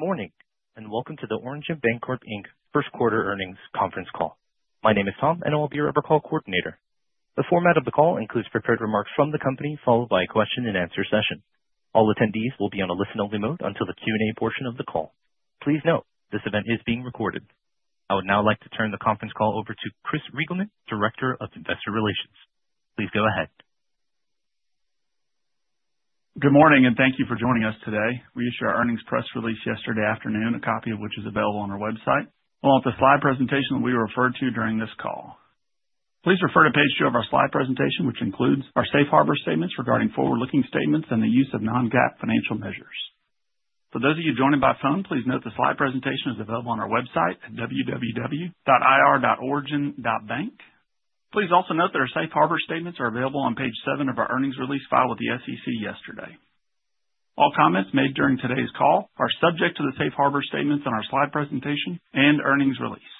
Good morning, and welcome to the Origin Bancorp First Quarter Earnings Conference Call. My name is Tom, and I will be your overall coordinator. The format of the call includes prepared remarks from the company, followed by a question-and-answer session. All attendees will be on a listen-only mode until the Q&A portion of the call. Please note, this event is being recorded. I would now like to turn the conference call over to Chris Reigelman, Director of Investor Relations. Please go ahead. Good morning, and thank you for joining us today. We issued our earnings press release yesterday afternoon, a copy of which is available on our website. We will have the slide presentation that we referred to during this call. Please refer to page two of our slide presentation, which includes our safe harbor statements regarding forward-looking statements and the use of non-GAAP financial measures. For those of you joining by phone, please note the slide presentation is available on our website at www.ir.origin.bank. Please also note that our safe harbor statements are available on page seven of our earnings release filed with the SEC yesterday. All comments made during today's call are subject to the safe harbor statements in our slide presentation and earnings release.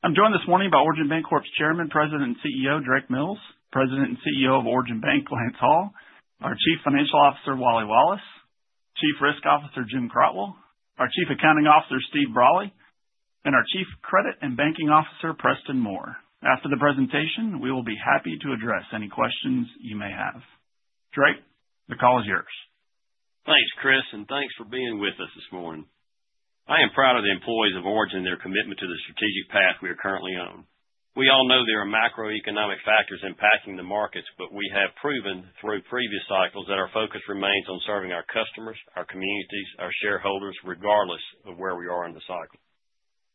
I'm joined this morning by Origin Bancorp's Chairman, President, and CEO, Drake Mills; President and CEO of Origin Bank, Lance Hall; our Chief Financial Officer, Wally Wallace; Chief Risk Officer, Jim Crotwell; our Chief Accounting Officer, Steve Brolly; and our Chief Credit and Banking Officer, Preston Moore. After the presentation, we will be happy to address any questions you may have. Drake, the call is yours. Thanks, Chris, and thanks for being with us this morning. I am proud of the employees of Origin and their commitment to the strategic path we are currently on. We all know there are macroeconomic factors impacting the markets, but we have proven through previous cycles that our focus remains on serving our customers, our communities, our shareholders, regardless of where we are in the cycle.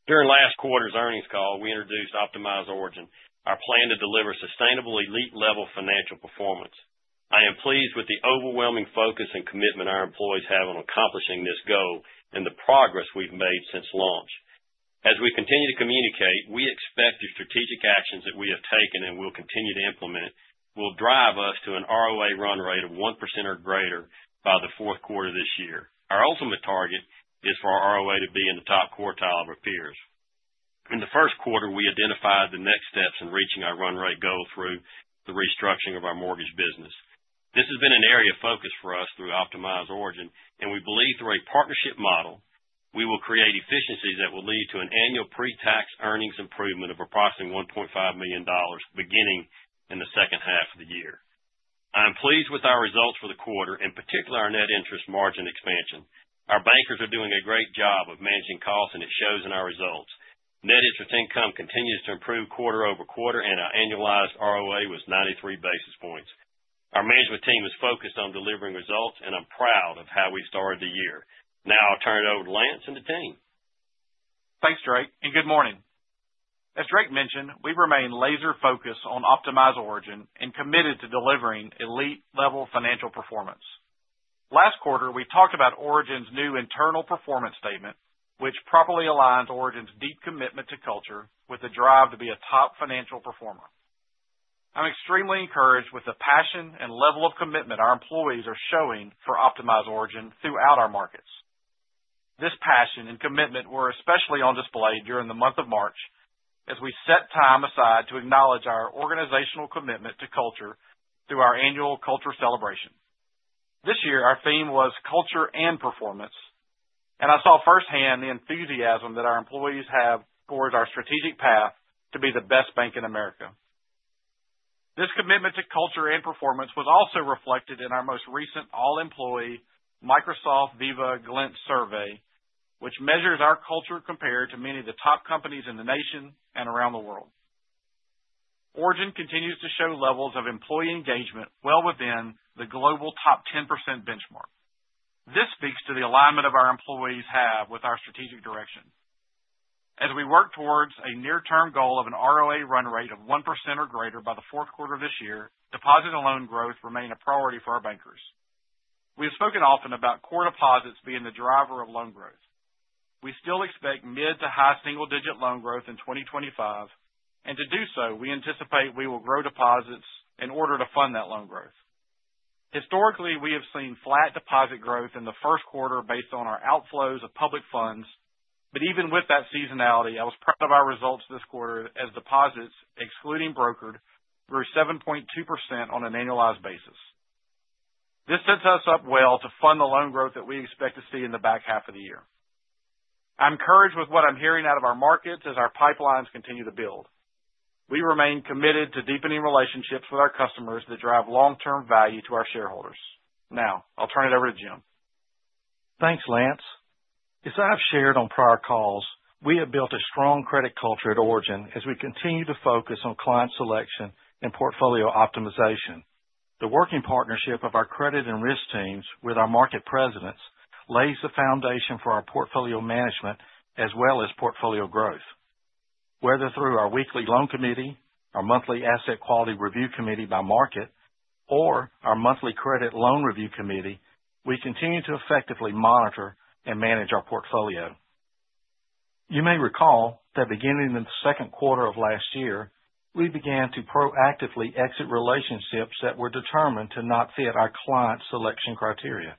During last quarter's earnings call, we introduced Optimize Origin, our plan to deliver sustainable elite-level financial performance. I am pleased with the overwhelming focus and commitment our employees have on accomplishing this goal and the progress we've made since launch. As we continue to communicate, we expect your strategic actions that we have taken and will continue to implement will drive us to an ROA run rate of 1% or greater by the fourth quarter of this year. Our ultimate target is for our ROA to be in the top quartile of our peers. In the first quarter, we identified the next steps in reaching our run rate goal through the restructuring of our mortgage business. This has been an area of focus for us through Optimize Origin, and we believe through a partnership model, we will create efficiencies that will lead to an annual pre-tax earnings improvement of approximately $1.5 million beginning in the second half of the year. I'm pleased with our results for the quarter, in particular our net interest margin expansion. Our bankers are doing a great job of managing costs, and it shows in our results. Net interest income continues to improve quarter over quarter, and our annualized ROA was 93 basis points. Our management team is focused on delivering results, and I'm proud of how we've started the year. Now I'll turn it over to Lance and the team. Thanks, Drake, and good morning. As Drake mentioned, we remain laser-focused on Optimize Origin and committed to delivering elite-level financial performance. Last quarter, we talked about Origin's new internal performance statement, which properly aligns Origin's deep commitment to culture with the drive to be a top financial performer. I'm extremely encouraged with the passion and level of commitment our employees are showing for Optimize Origin throughout our markets. This passion and commitment were especially on display during the month of March as we set time aside to acknowledge our organizational commitment to culture through our annual culture celebration. This year, our theme was Culture and Performance, and I saw firsthand the enthusiasm that our employees have towards our strategic path to be the best bank in America. This commitment to culture and performance was also reflected in our most recent all-employee Microsoft Viva-Glint survey, which measures our culture compared to many of the top companies in the nation and around the world. Origin continues to show levels of employee engagement well within the global top 10% benchmark. This speaks to the alignment our employees have with our strategic direction. As we work towards a near-term goal of an ROA run rate of 1% or greater by the fourth quarter of this year, deposit and loan growth remain a priority for our bankers. We have spoken often about core deposits being the driver of loan growth. We still expect mid to high single-digit loan growth in 2025, and to do so, we anticipate we will grow deposits in order to fund that loan growth. Historically, we have seen flat deposit growth in the first quarter based on our outflows of public funds, but even with that seasonality, I was proud of our results this quarter as deposits, excluding brokered, grew 7.2% on an annualized basis. This sets us up well to fund the loan growth that we expect to see in the back half of the year. I'm encouraged with what I'm hearing out of our markets as our pipelines continue to build. We remain committed to deepening relationships with our customers that drive long-term value to our shareholders. Now, I'll turn it over to Jim. Thanks, Lance. As I've shared on prior calls, we have built a strong credit culture at Origin as we continue to focus on client selection and portfolio optimization. The working partnership of our credit and risk teams with our market presidents lays the foundation for our portfolio management as well as portfolio growth. Whether through our weekly loan committee, our monthly asset quality review committee by market, or our monthly credit loan review committee, we continue to effectively monitor and manage our portfolio. You may recall that beginning in the second quarter of last year, we began to proactively exit relationships that were determined to not fit our client selection criteria.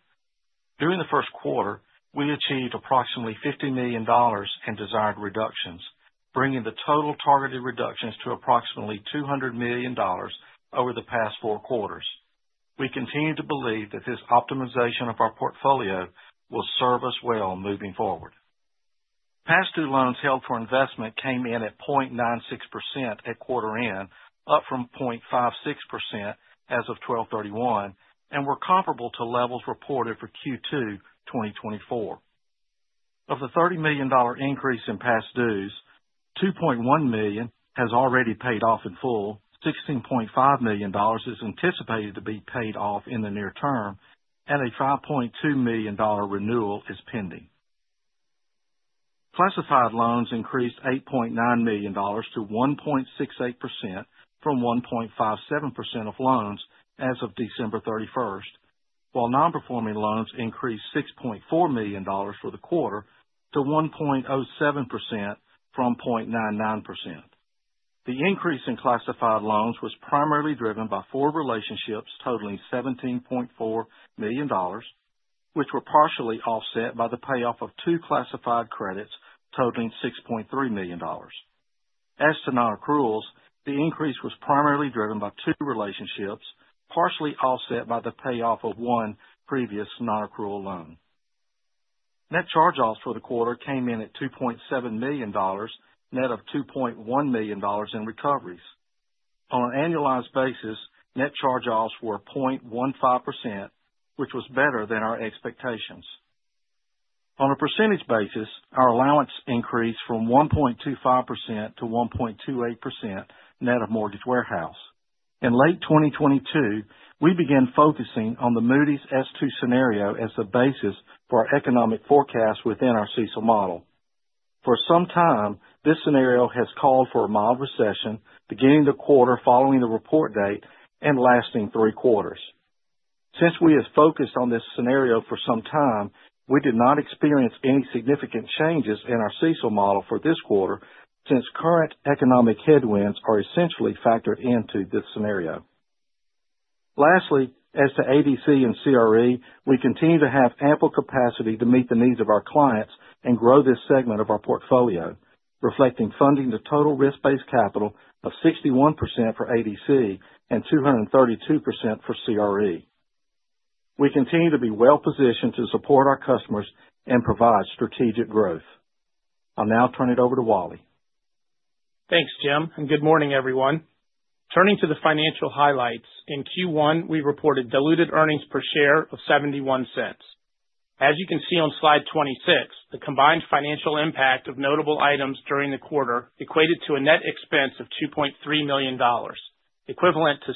During the first quarter, we achieved approximately $50 million in desired reductions, bringing the total targeted reductions to approximately $200 million over the past four quarters. We continue to believe that this optimization of our portfolio will serve us well moving forward. Past due loans held for investment came in at 0.96% at quarter end, up from 0.56% as of December 31, and were comparable to levels reported for Q2 2024. Of the $30 million increase in past dues, $2.1 million has already paid off in full, $16.5 million is anticipated to be paid off in the near term, and a $5.2 million renewal is pending. Classified loans increased $8.9 million to 1.68% from 1.57% of loans as of December 31, while non-performing loans increased $6.4 million for the quarter to 1.07% from 0.99%. The increase in classified loans was primarily driven by four relationships totaling $17.4 million, which were partially offset by the payoff of two classified credits totaling $6.3 million. As to non-accruals, the increase was primarily driven by two relationships partially offset by the payoff of one previous non-accrual loan. Net charge-offs for the quarter came in at $2.7 million, net of $2.1 million in recoveries. On an annualized basis, net charge-offs were 0.15%, which was better than our expectations. On a percentage basis, our allowance increased from 1.25% to 1.28% net of mortgage warehouse. In late 2022, we began focusing on the Moody's S2 scenario as the basis for our economic forecast within our CECL model. For some time, this scenario has called for a mild recession beginning the quarter following the report date and lasting three quarters. Since we have focused on this scenario for some time, we did not experience any significant changes in our CECL model for this quarter since current economic headwinds are essentially factored into this scenario. Lastly, as to ADC and CRE, we continue to have ample capacity to meet the needs of our clients and grow this segment of our portfolio, reflecting funding the total risk-based capital of 61% for ADC and 232% for CRE. We continue to be well-positioned to support our customers and provide strategic growth. I'll now turn it over to Wally. Thanks, Jim, and good morning, everyone. Turning to the financial highlights, in Q1, we reported diluted earnings per share of $0.71. As you can see on slide 26, the combined financial impact of notable items during the quarter equated to a net expense of $2.3 million, equivalent to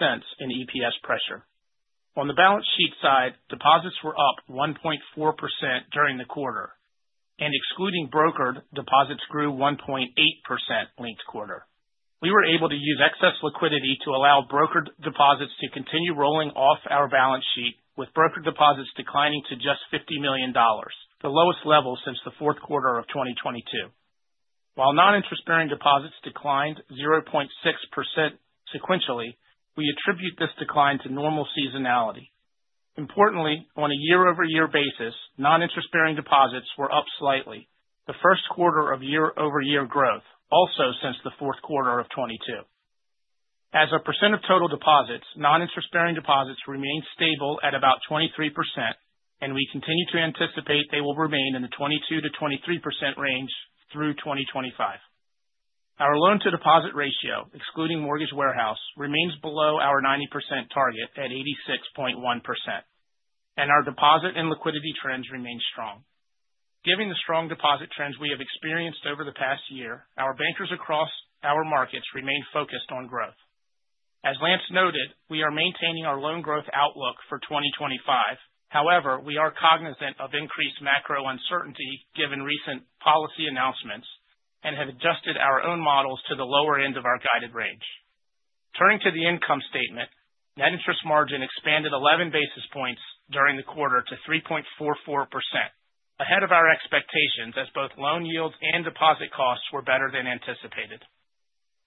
$0.06 in EPS pressure. On the balance sheet side, deposits were up 1.4% during the quarter, and excluding brokered, deposits grew 1.8% linked quarter. We were able to use excess liquidity to allow brokered deposits to continue rolling off our balance sheet, with brokered deposits declining to just $50 million, the lowest level since the fourth quarter of 2022. While non-interest-bearing deposits declined 0.6% sequentially, we attribute this decline to normal seasonality. Importantly, on a year-over-year basis, non-interest-bearing deposits were up slightly, the first quarter of year-over-year growth, also since the fourth quarter of 2022. As a percent of total deposits, noninterest-bearing deposits remained stable at about 23%, and we continue to anticipate they will remain in the 22%-23% range through 2025. Our loan-to-deposit ratio, excluding mortgage warehouse, remains below our 90% target at 86.1%, and our deposit and liquidity trends remain strong. Given the strong deposit trends we have experienced over the past year, our bankers across our markets remain focused on growth. As Lance noted, we are maintaining our loan growth outlook for 2025. However, we are cognizant of increased macro uncertainty given recent policy announcements and have adjusted our own models to the lower end of our guided range. Turning to the income statement, net interest margin expanded 11 basis points during the quarter to 3.44%, ahead of our expectations as both loan yields and deposit costs were better than anticipated.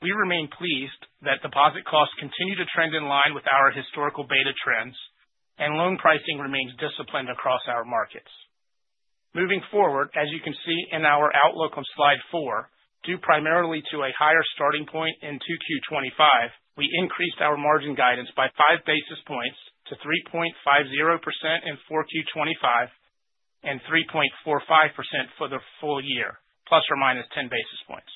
We remain pleased that deposit costs continue to trend in line with our historical beta trends, and loan pricing remains disciplined across our markets. Moving forward, as you can see in our outlook on slide four, due primarily to a higher starting point in Q2 2025, we increased our margin guidance by five basis points to 3.50% in Q2 2025 and 3.45% for the full year, plus or minus 10 basis points.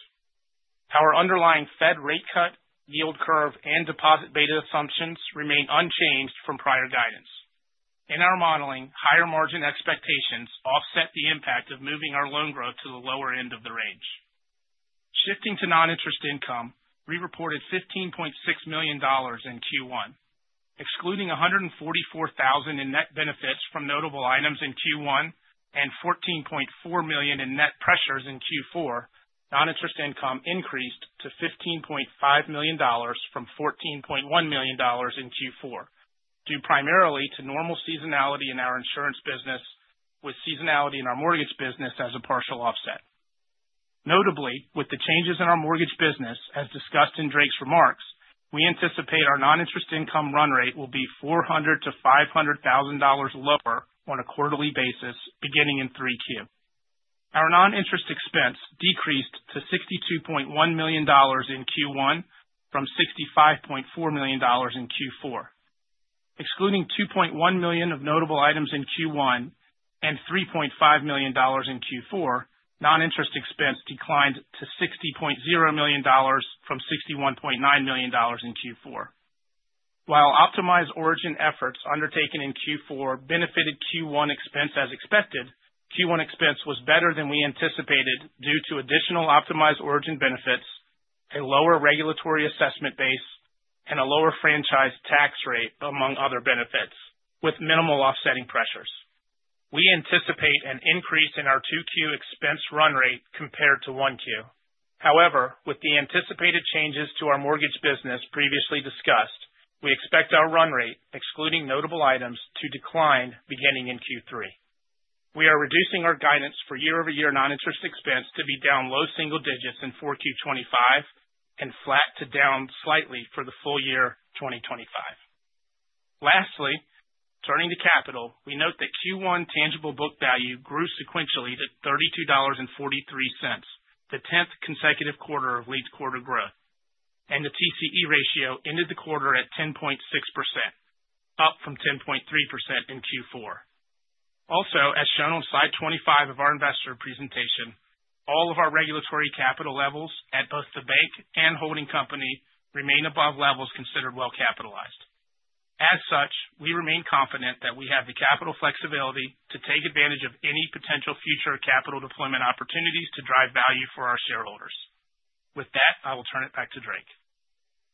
Our underlying fed rate cut, yield curve, and deposit beta assumptions remain unchanged from prior guidance. In our modeling, higher margin expectations offset the impact of moving our loan growth to the lower end of the range. Shifting to non-interest income, we reported $15.6 million in Q1. Excluding $144,000 in net benefits from notable items in Q1 and $14.4 million in net pressures in Q4, non-interest income increased to $15.5 million from $14.1 million in Q4, due primarily to normal seasonality in our insurance business with seasonality in our mortgage business as a partial offset. Notably, with the changes in our mortgage business, as discussed in Drake's remarks, we anticipate our non-interest income run rate will be $400,000-$500,000 lower on a quarterly basis beginning in Q3. Our non-interest expense decreased to $62.1 million in Q1 from $65.4 million in Q4. Excluding $2.1 million of notable items in Q1 and $3.5 million in Q4, non-interest expense declined to $60.0 million from $61.9 million in Q4. While Optimize Origin and efforts undertaken in Q4 benefited Q1 expense as expected, Q1 expense was better than we anticipated due to additional Optimize Origin and benefits, a lower regulatory assessment base, and a lower franchise tax rate, among other benefits, with minimal offsetting pressures. We anticipate an increase in our Q2 expense run rate compared to Q1. However, with the anticipated changes to our mortgage business previously discussed, we expect our run rate, excluding notable items, to decline beginning in Q3. We are reducing our guidance for year-over-year non-interest expense to be down low single digits in Q2 2025 and flat to down slightly for the full year 2025. Lastly, turning to capital, we note that Q1 tangible book value grew sequentially to $32.43, the 10th consecutive quarter of linked quarter growth, and the TCE ratio ended the quarter at 10.6%, up from 10.3% in Q4. Also, as shown on slide 25 of our investor presentation, all of our regulatory capital levels at both the bank and holding company remain above levels considered well capitalized. As such, we remain confident that we have the capital flexibility to take advantage of any potential future capital deployment opportunities to drive value for our shareholders. With that, I will turn it back to Drake.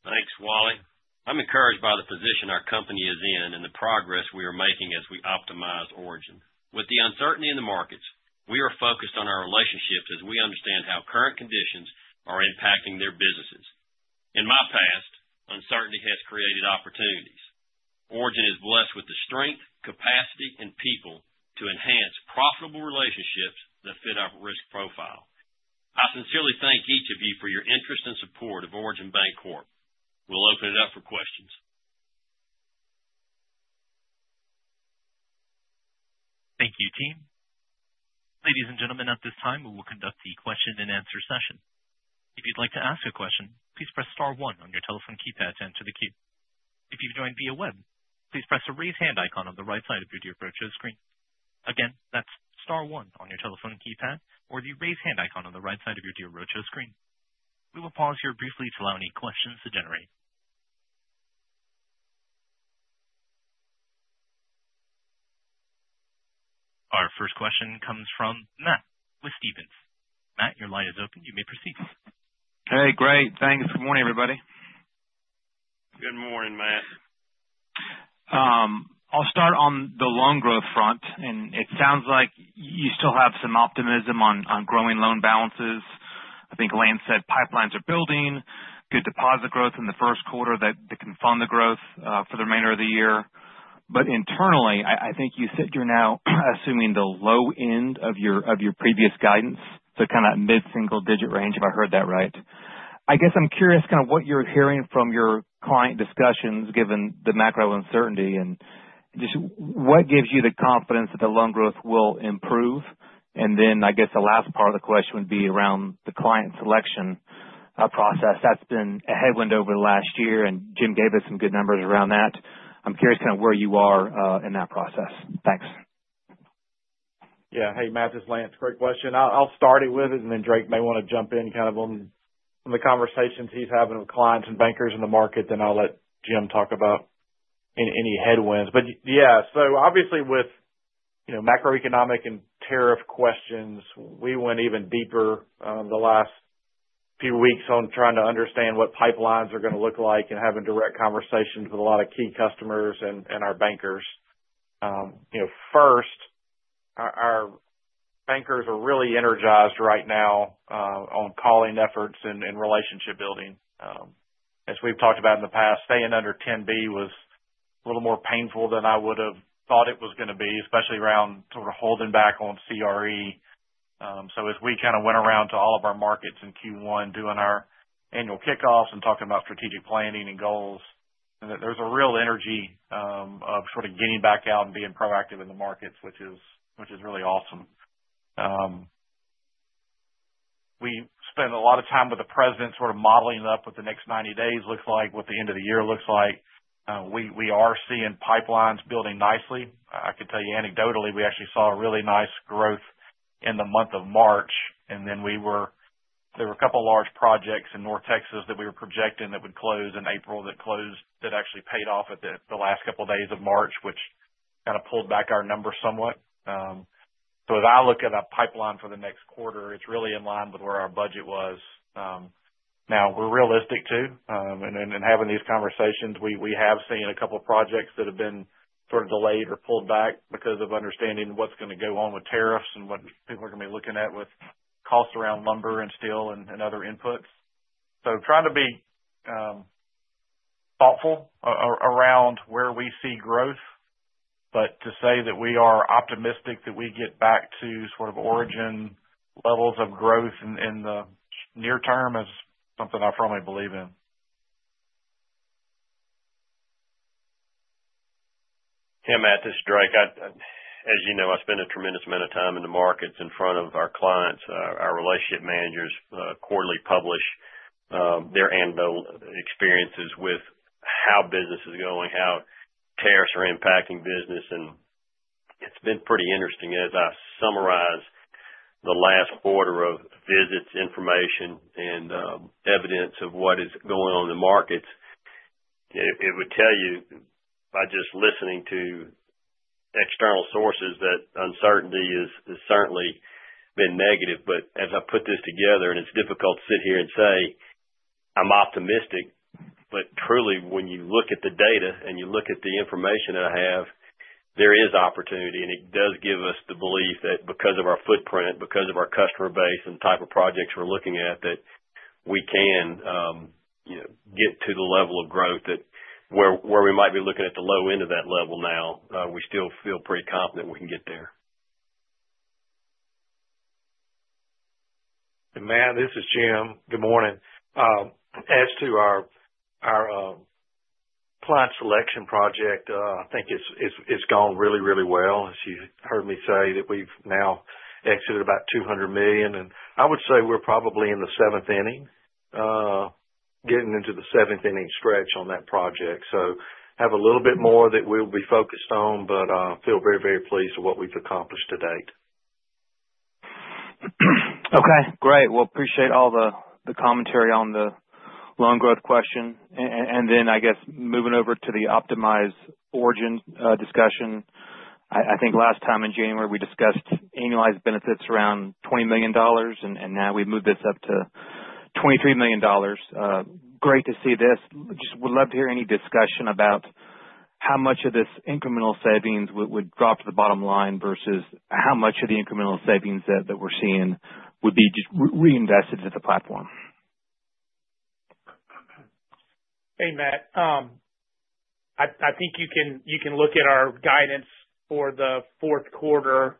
Thanks, Wally. I'm encouraged by the position our company is in and the progress we are making as we Optimize Origin. With the uncertainty in the markets, we are focused on our relationships as we understand how current conditions are impacting their businesses. In my past, uncertainty has created opportunities. Origin is blessed with the strength, capacity, and people to enhance profitable relationships that fit our risk profile. I sincerely thank each of you for your interest and support of Origin Bancorp. We'll open it up for questions. Thank you, team. Ladies and gentlemen, at this time, we will conduct the question-and-answer session. If you'd like to ask a question, please press star one on your telephone keypad to enter the queue. If you've joined via web, please press the raise hand icon on the right side of your Deal Roadshow screen. Again, that's star one on your telephone keypad or the raise hand icon on the right side of your Deal Roadshow screen. We will pause here briefly to allow any questions to generate. Our first question comes from Matt with Stephens. Matt, your line is open. You may proceed. Hey, great. Thanks. Good morning, everybody. Good morning, Matt. I'll start on the loan growth front, and it sounds like you still have some optimism on growing loan balances. I think Lance said pipelines are building, good deposit growth in the first quarter that can fund the growth for the remainder of the year. Internally, I think you sit here now assuming the low end of your previous guidance, so kind of that mid-single digit range, if I heard that right. I guess I'm curious kind of what you're hearing from your client discussions, given the macro uncertainty, and just what gives you the confidence that the loan growth will improve? I guess the last part of the question would be around the client selection process. That's been a headwind over the last year, and Jim gave us some good numbers around that. I'm curious kind of where you are in that process. Thanks. Yeah. Hey, Matt, this is Lance. Great question. I'll start it with it, and Drake may want to jump in kind of on the conversations he's having with clients and bankers in the market. I'll let Jim talk about any headwinds. Yeah, obviously with macroeconomic and tariff questions, we went even deeper the last few weeks on trying to understand what pipelines are going to look like and having direct conversations with a lot of key customers and our bankers. First, our bankers are really energized right now on calling efforts and relationship building. As we've talked about in the past, staying under 10B was a little more painful than I would have thought it was going to be, especially around sort of holding back on CRE. As we kind of went around to all of our markets in Q1, doing our annual kickoffs and talking about strategic planning and goals, there's a real energy of sort of getting back out and being proactive in the markets, which is really awesome. We spent a lot of time with the president sort of modeling up what the next 90 days looks like, what the end of the year looks like. We are seeing pipelines building nicely. I can tell you anecdotally, we actually saw a really nice growth in the month of March, and then there were a couple of large projects in North Texas that we were projecting that would close in April that actually paid off at the last couple of days of March, which kind of pulled back our numbers somewhat. As I look at our pipeline for the next quarter, it's really in line with where our budget was. Now, we're realistic too, and having these conversations, we have seen a couple of projects that have been sort of delayed or pulled back because of understanding what's going to go on with tariffs and what people are going to be looking at with costs around lumber and steel and other inputs. Trying to be thoughtful around where we see growth, but to say that we are optimistic that we get back to sort of origin levels of growth in the near term is something I firmly believe in. Yeah, Matt, this is Drake. As you know, I spend a tremendous amount of time in the markets in front of our clients. Our relationship managers quarterly publish their annual experiences with how business is going, how tariffs are impacting business, and it's been pretty interesting. As I summarize the last quarter of visits, information, and evidence of what is going on in the markets, it would tell you by just listening to external sources that uncertainty has certainly been negative. As I put this together, and it's difficult to sit here and say, "I'm optimistic," but truly, when you look at the data and you look at the information that I have, there is opportunity, and it does give us the belief that because of our footprint, because of our customer base and the type of projects we're looking at, that we can get to the level of growth where we might be looking at the low end of that level now, we still feel pretty confident we can get there. Matt, this is Jim. Good morning. As to our client selection project, I think it's gone really, really well. As you heard me say that we've now exited about $200 million, and I would say we're probably in the seventh inning, getting into the seventh inning stretch on that project. Have a little bit more that we'll be focused on, but I feel very, very pleased with what we've accomplished to date? Okay. Great. I appreciate all the commentary on the loan growth question. I guess moving over to the Optimize Origin discussion, I think last time in January, we discussed annualized benefits around $20 million, and now we have moved this up to $23 million. Great to see this. I just would love to hear any discussion about how much of this incremental savings would drop to the bottom line versus how much of the incremental savings that we are seeing would be just reinvested into the platform. Hey, Matt. I think you can look at our guidance for the fourth quarter,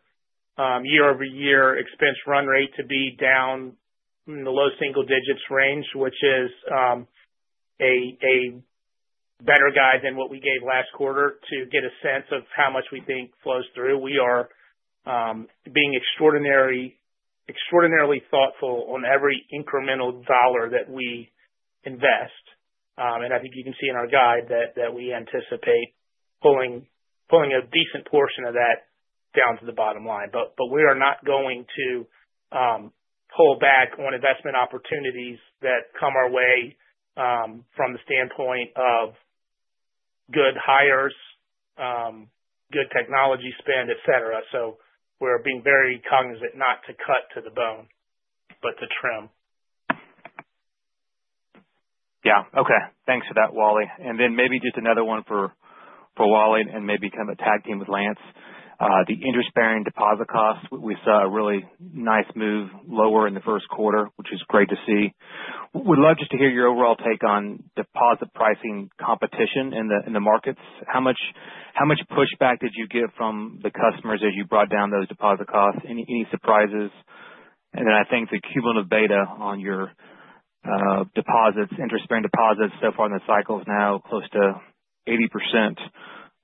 year-over-year expense run rate to be down in the low single digits range, which is a better guide than what we gave last quarter to get a sense of how much we think flows through. We are being extraordinarily thoughtful on every incremental dollar that we invest. I think you can see in our guide that we anticipate pulling a decent portion of that down to the bottom line. We are not going to pull back on investment opportunities that come our way from the standpoint of good hires, good technology spend, etc. We are being very cognizant not to cut to the bone, but to trim. Yeah. Okay. Thanks for that, Wally. Maybe just another one for Wally and maybe kind of a tag team with Lance. The interest-bearing deposit costs, we saw a really nice move lower in the first quarter, which is great to see. Would love just to hear your overall take on deposit pricing competition in the markets. How much pushback did you get from the customers as you brought down those deposit costs? Any surprises? I think the cumulative beta on your interest-bearing deposits so far in the cycle is now close to 80%.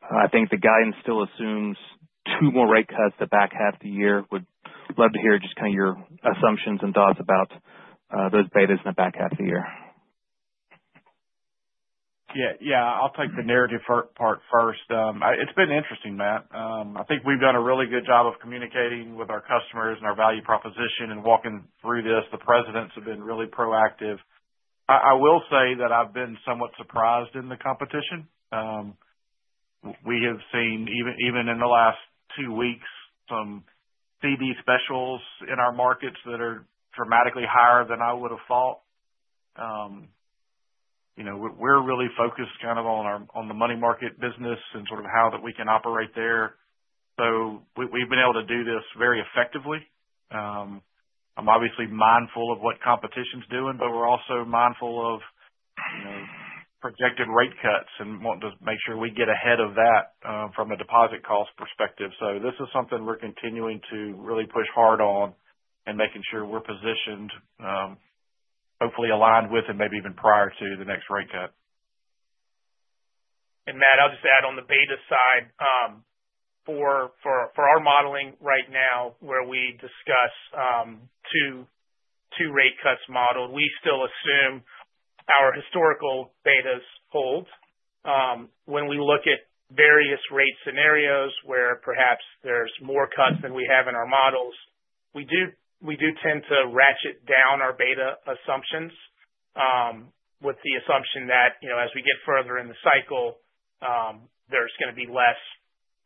I think the guidance still assumes two more rate cuts the back half of the year. Would love to hear just kind of your assumptions and thoughts about those betas in the back half of the year. Yeah. Yeah. I'll take the narrative part first. It's been interesting, Matt. I think we've done a really good job of communicating with our customers and our value proposition and walking through this. The presidents have been really proactive. I will say that I've been somewhat surprised in the competition. We have seen, even in the last two weeks, some TD specials in our markets that are dramatically higher than I would have thought. We're really focused kind of on the money market business and sort of how that we can operate there. We've been able to do this very effectively. I'm obviously mindful of what competition's doing, but we're also mindful of projected rate cuts and wanting to make sure we get ahead of that from a deposit cost perspective. This is something we're continuing to really push hard on and making sure we're positioned, hopefully aligned with, and maybe even prior to the next rate cut. Matt, I'll just add on the beta side. For our modeling right now, where we discuss two rate cuts modeled, we still assume our historical betas hold. When we look at various rate scenarios where perhaps there's more cuts than we have in our models, we do tend to ratchet down our beta assumptions with the assumption that as we get further in the cycle, there's going to be less,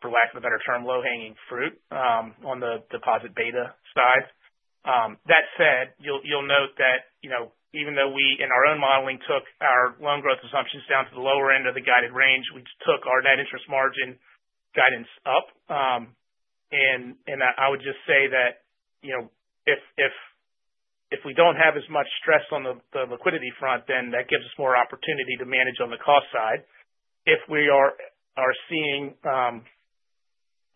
for lack of a better term, low-hanging fruit on the deposit beta side. That said, you'll note that even though we in our own modeling took our loan growth assumptions down to the lower end of the guided range, we took our net interest margin guidance up. I would just say that if we don't have as much stress on the liquidity front, then that gives us more opportunity to manage on the cost side. If we are seeing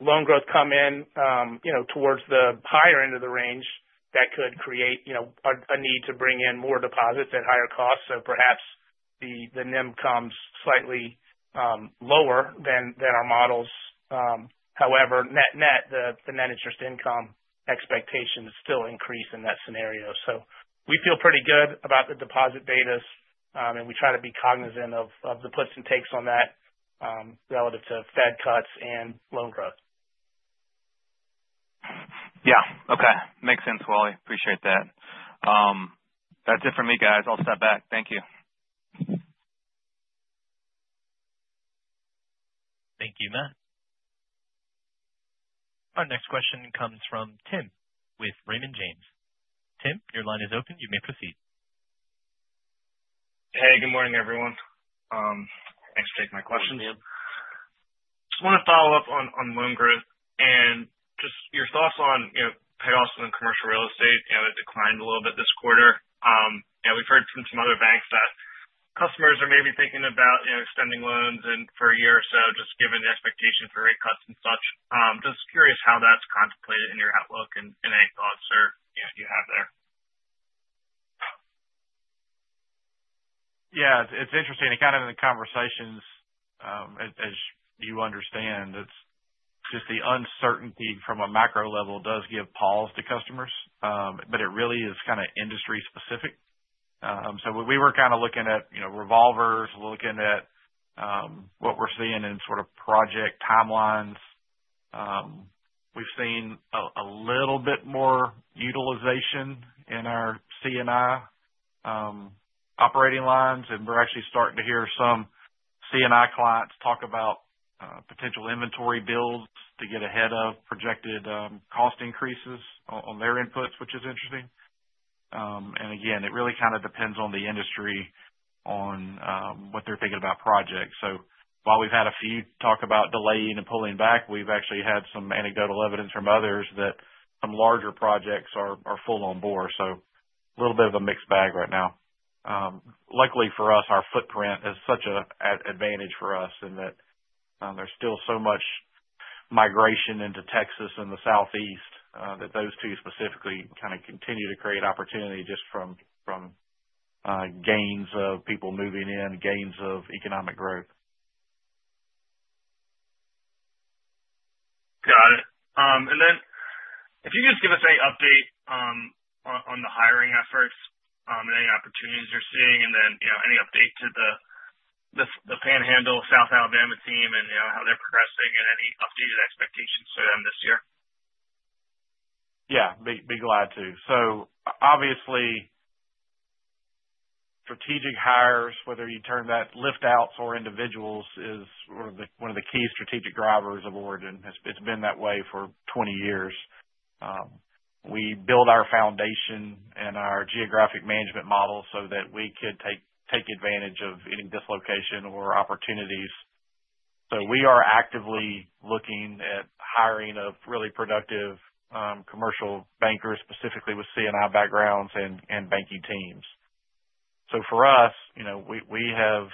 loan growth come in towards the higher end of the range, that could create a need to bring in more deposits at higher costs. Perhaps the NIM comes slightly lower than our models. However, net net, the net interest income expectation still increases in that scenario. We feel pretty good about the deposit betas, and we try to be cognizant of the puts and takes on that relative to Fed cuts and loan growth. Yeah. Okay. Makes sense, Wally. Appreciate that. That's it for me, guys. I'll step back. Thank you. Thank you, Matt. Our next question comes from Tim with Raymond James. Tim, your line is open. You may proceed. Hey, good morning, everyone. Thanks for taking my questions. Just want to follow up on loan growth and just your thoughts on payoffs in commercial real estate. It declined a little bit this quarter. We've heard from some other banks that customers are maybe thinking about extending loans for a year or so, just given the expectation for rate cuts and such. Just curious how that's contemplated in your outlook and any thoughts you have there. Yeah. It's interesting. Kind of in the conversations, as you understand, it's just the uncertainty from a macro level does give pause to customers, but it really is kind of industry-specific. We were kind of looking at revolvers, looking at what we're seeing in sort of project timelines. We've seen a little bit more utilization in our C&I operating lines, and we're actually starting to hear some C&I clients talk about potential inventory builds to get ahead of projected cost increases on their inputs, which is interesting. Again, it really kind of depends on the industry on what they're thinking about projects. While we've had a few talk about delaying and pulling back, we've actually had some anecdotal evidence from others that some larger projects are full on board. A little bit of a mixed bag right now. Luckily for us, our footprint is such an advantage for us in that there's still so much migration into Texas and the Southeast that those two specifically kind of continue to create opportunity just from gains of people moving in, gains of economic growth. Got it. If you could just give us any update on the hiring efforts and any opportunities you're seeing, and then any update to the Panhandle South Alabama team and how they're progressing and any updated expectations for them this year? Yeah. Be glad to. Obviously, strategic hires, whether you term that lift-outs or individuals, is one of the key strategic drivers of Origin. It's been that way for 20 years. We build our foundation and our geographic management model so that we could take advantage of any dislocation or opportunities. We are actively looking at hiring really productive commercial bankers, specifically with C&I backgrounds and banking teams. For us, we have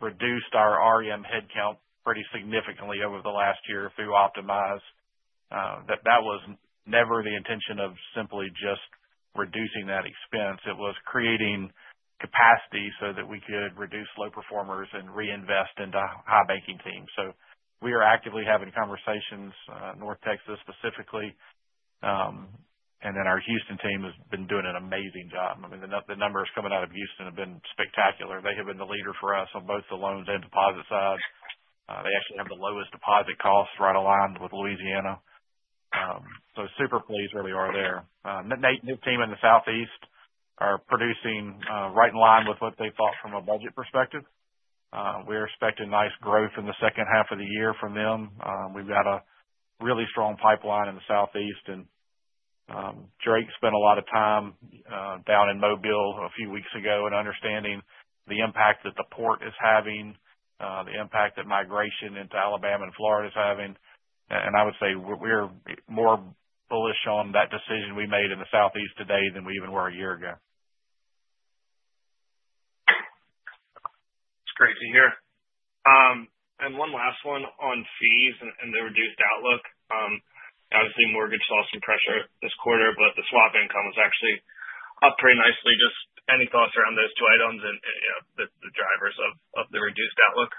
reduced our REM head count pretty significantly over the last year through Optimize. That was never the intention of simply just reducing that expense. It was creating capacity so that we could reduce low performers and reinvest into high banking teams. We are actively having conversations, North Texas specifically, and then our Houston team has been doing an amazing job. I mean, the numbers coming out of Houston have been spectacular. They have been the leader for us on both the loans and deposit side. They actually have the lowest deposit costs right aligned with Louisiana. Super pleased where they are there. Nate and his team in the Southeast are producing right in line with what they thought from a budget perspective. We are expecting nice growth in the second half of the year from them. We have a really strong pipeline in the Southeast, and Drake spent a lot of time down in Mobile a few weeks ago in understanding the impact that the port is having, the impact that migration into Alabama and Florida is having. I would say we are more bullish on that decision we made in the Southeast today than we even were a year ago. That's great to hear. One last one on fees and the reduced outlook. Obviously, mortgage loss and pressure this quarter, but the swap income was actually up pretty nicely. Just any thoughts around those two items and the drivers of the reduced outlook?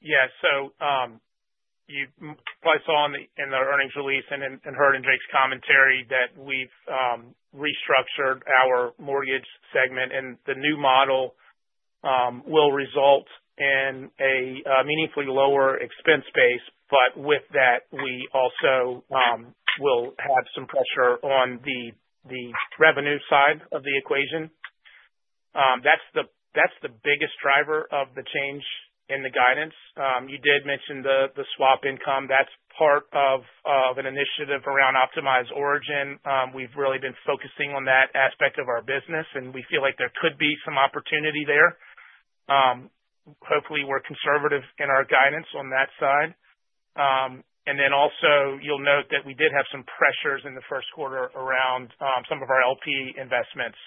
Yeah. You probably saw in the earnings release and heard in Drake's commentary that we've restructured our mortgage segment, and the new model will result in a meaningfully lower expense base. With that, we also will have some pressure on the revenue side of the equation. That's the biggest driver of the change in the guidance. You did mention the swap income. That's part of an initiative around Optimize Origin. We've really been focusing on that aspect of our business, and we feel like there could be some opportunity there. Hopefully, we're conservative in our guidance on that side. You will also note that we did have some pressures in the first quarter around some of our LP investments.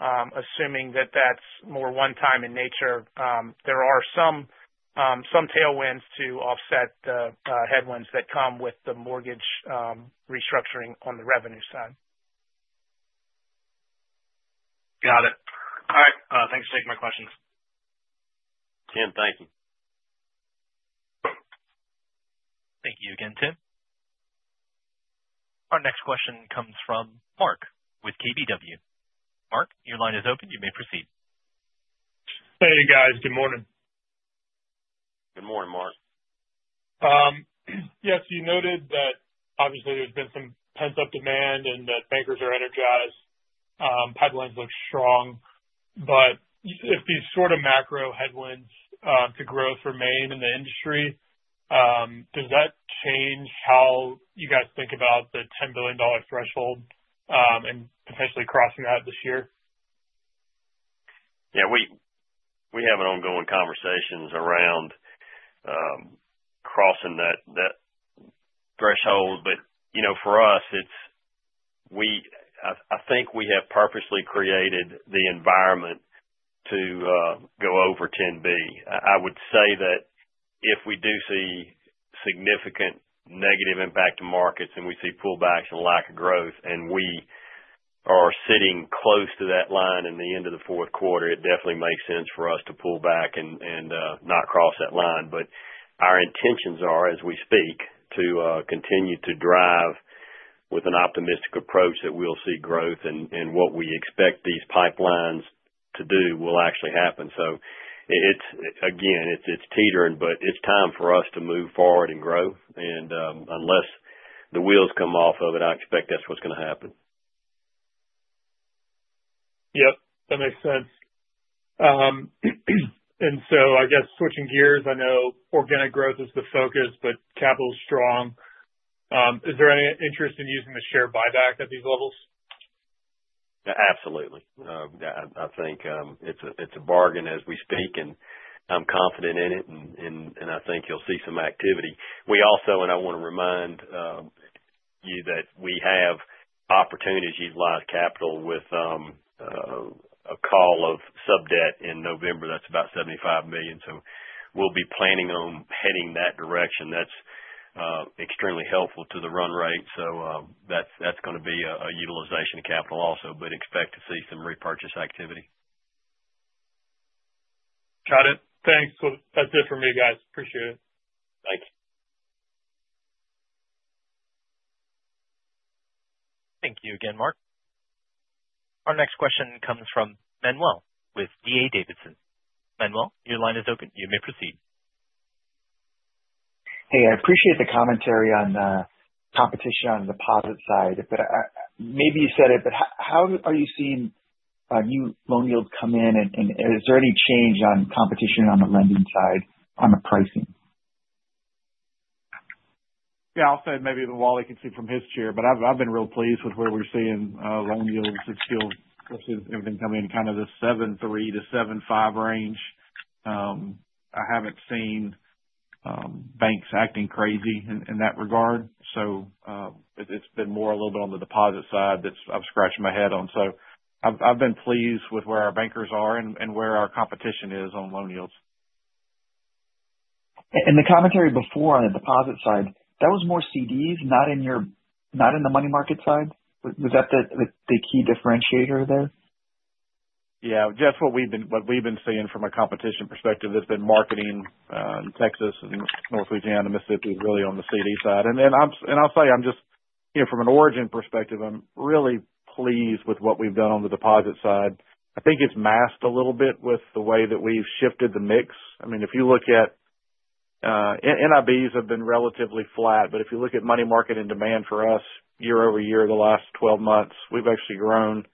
Assuming that that's more one-time in nature, there are some tailwinds to offset the headwinds that come with the mortgage restructuring on the revenue side. Got it. All right. Thanks for taking my questions. Tim, thank you. Thank you again, Tim. Our next question comes from Mark with KBW. Mark, your line is open. You may proceed. Hey, guys. Good morning. Good morning, Mark. Yes. You noted that obviously there's been some pent-up demand and that bankers are energized. Pipelines look strong. If these sort of macro headwinds to growth remain in the industry, does that change how you guys think about the $10 billion threshold and potentially crossing that this year? Yeah. We have ongoing conversations around crossing that threshold. For us, I think we have purposely created the environment to go over $10 billion. I would say that if we do see significant negative impact to markets and we see pullbacks and lack of growth, and we are sitting close to that line in the end of the fourth quarter, it definitely makes sense for us to pull back and not cross that line. Our intentions are, as we speak, to continue to drive with an optimistic approach that we will see growth and what we expect these pipelines to do will actually happen. Again, it is teetering, but it is time for us to move forward and grow. Unless the wheels come off of it, I expect that is what is going to happen. Yep. That makes sense. I guess switching gears, I know organic growth is the focus, but capital is strong. Is there any interest in using the share buyback at these levels? Absolutely. I think it's a bargain as we speak, and I'm confident in it, and I think you'll see some activity. We also, and I want to remind you that we have opportunities to utilize capital with a call of sub-debt in November. That's about $75 million. We'll be planning on heading that direction. That's extremely helpful to the run rate. That's going to be a utilization of capital also, but expect to see some repurchase activity. Got it. Thanks. That's it for me, guys. Appreciate it. Thank you. Thank you again, Mark. Our next question comes from Manuel with D.A. Davidson. Manuel, your line is open. You may proceed. Hey, I appreciate the commentary on competition on the deposit side. Maybe you said it, but how are you seeing new loan yields come in, and is there any change on competition on the lending side on the pricing? Yeah. I'll say maybe even Wally can see from his chair, but I've been real pleased with where we're seeing loan yields. It's still, we're seeing everything coming in kind of the 7.3-7.5 range. I haven't seen banks acting crazy in that regard. It's been more a little bit on the deposit side that I've scratched my head on. I've been pleased with where our bankers are and where our competition is on loan yields. The commentary before on the deposit side, that was more CDs, not in the money market side. Was that the key differentiator there? Yeah. Just what we've been seeing from a competition perspective. There's been marketing in Texas and North Louisiana and Mississippi is really on the CD side. I'll say I'm just, from an Origin perspective, I'm really pleased with what we've done on the deposit side. I think it's masked a little bit with the way that we've shifted the mix. I mean, if you look at NIBs have been relatively flat, but if you look at money market and demand for us year over year the last 12 months, we've actually grown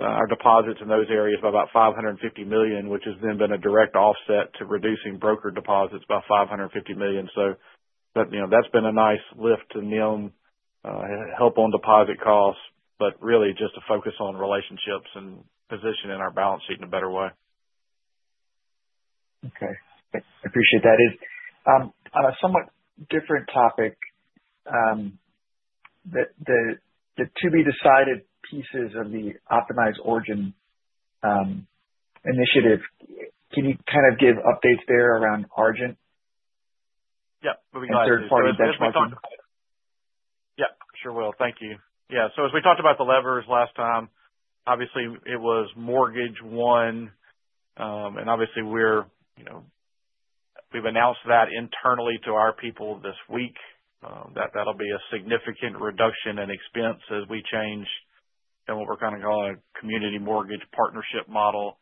our deposits in those areas by about $550 million, which has then been a direct offset to reducing brokered deposits by $550 million. That's been a nice lift to NIM, help on deposit costs, but really just to focus on relationships and positioning our balance sheet in a better way. Okay. I appreciate that. On a somewhat different topic, the to-be-decided pieces of the Optimize Origin initiative, can you kind of give updates there around Argent? Yep. We'll be glad to hear about that. As third party benchmarking? Yep. Sure will. Thank you. Yeah. As we talked about the levers last time, obviously, it was mortgage one, and obviously, we've announced that internally to our people this week that that'll be a significant reduction in expense as we change what we're kind of calling a community mortgage partnership model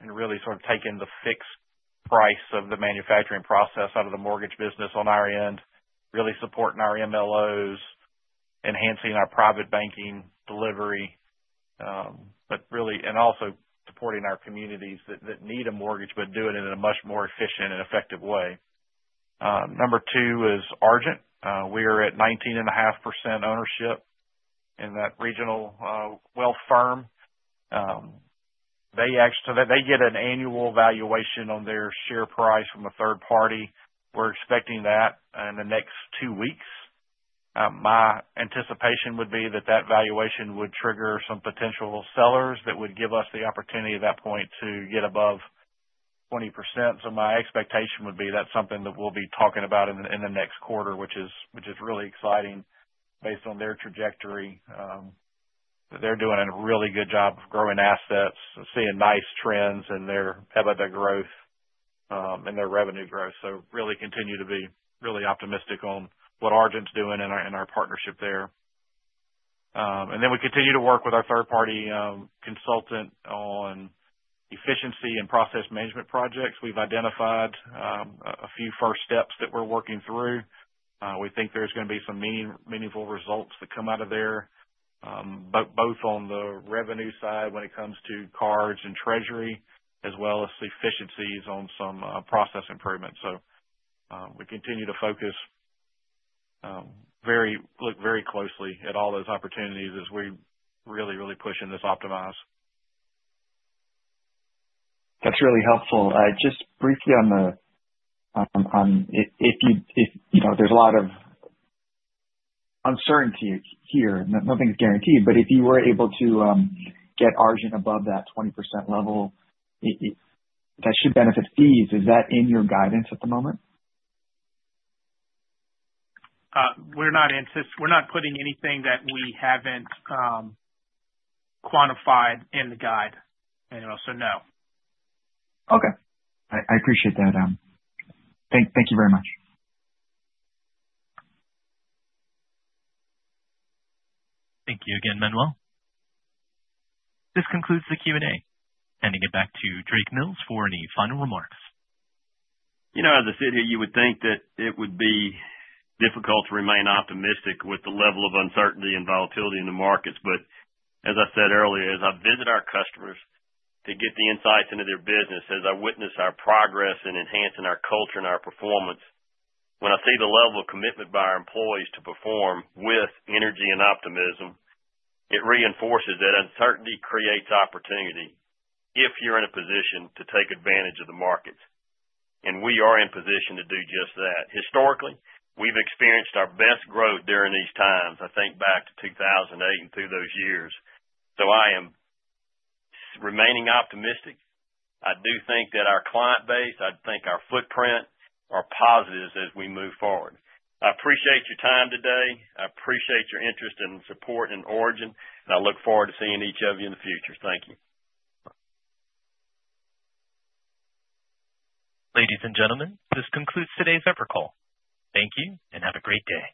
and really sort of taking the fixed price of the manufacturing process out of the mortgage business on our end, really supporting our MLOs, enhancing our private banking delivery, and also supporting our communities that need a mortgage but doing it in a much more efficient and effective way. Number two is Argent. We are at 19.5% ownership in that regional wealth firm. They get an annual valuation on their share price from a third party. We're expecting that in the next two weeks. My anticipation would be that that valuation would trigger some potential sellers that would give us the opportunity at that point to get above 20%. My expectation would be that's something that we'll be talking about in the next quarter, which is really exciting based on their trajectory. They're doing a really good job of growing assets, seeing nice trends in their EBITDA growth and their revenue growth. I really continue to be really optimistic on what Argent's doing in our partnership there. We continue to work with our third-party consultant on efficiency and process management projects. We've identified a few first steps that we're working through. We think there's going to be some meaningful results that come out of there, both on the revenue side when it comes to cards and treasury, as well as efficiencies on some process improvements. We continue to focus, look very closely at all those opportunities as we really, really push in this Optimize. That's really helpful. Just briefly on the if there's a lot of uncertainty here, nothing's guaranteed, but if you were able to get Argent above that 20% level, that should benefit fees. Is that in your guidance at the moment? We're not putting anything that we haven't quantified in the guide, so no. Okay. I appreciate that. Thank you very much. Thank you again, Manuel. This concludes the Q&A. Handing it back to Drake Mills for any final remarks. As a city, you would think that it would be difficult to remain optimistic with the level of uncertainty and volatility in the markets. As I said earlier, as I visit our customers to get the insights into their business, as I witness our progress in enhancing our culture and our performance, when I see the level of commitment by our employees to perform with energy and optimism, it reinforces that uncertainty creates opportunity if you're in a position to take advantage of the markets. We are in position to do just that. Historically, we've experienced our best growth during these times, I think back to 2008 and through those years. I am remaining optimistic. I do think that our client base, I think our footprint are positives as we move forward. I appreciate your time today. I appreciate your interest and support in Origin, and I look forward to seeing each of you in the future. Thank you. Ladies and gentlemen, this concludes today's Evercall. Thank you and have a great day.